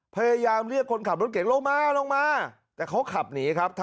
พยายามเรียกคนขับรถเก่งลงมาลงมาแต่เขาขับหนีครับ